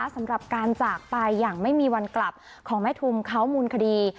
สำหรับการจากไปอย่างไม่มีวันกลับของแม่ทุมเขามูลคดี